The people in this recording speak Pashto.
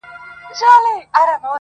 نڅول چي یې سورونو د کیږدیو سهارونه!.